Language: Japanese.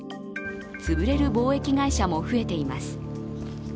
潰れる貿易会社も増えています。